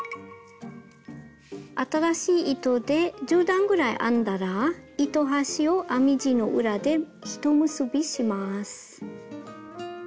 新しい糸で１０段ぐらい編んだら糸端を編み地の裏で一結びします。